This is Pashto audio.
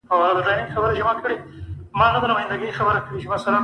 دوی د ملا او ډاکټر په نومونو خلک غولوي